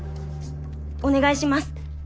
お願いします。